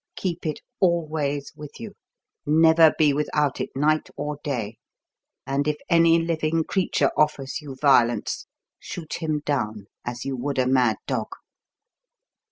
Keep it always with you, never be without it night or day, and if any living creature offers you violence, shoot him down as you would a mad dog.